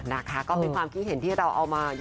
นะคะก็เป็นความคิดเห็นที่เราเอามา